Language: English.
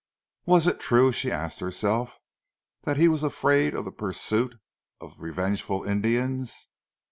Was it true, she asked herself, that he was afraid of the pursuit of revengeful Indians?